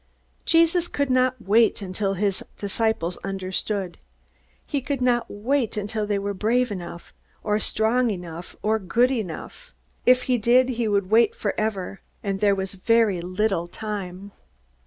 Jesus could not wait until his disciples understood. He could not wait until they were brave enough, or strong enough or good enough. If he did, he would wait forever. And there was very little time.